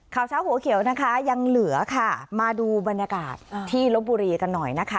ข่าวเช้าหัวเขียวนะคะยังเหลือค่ะมาดูบรรยากาศที่ลบบุรีกันหน่อยนะคะ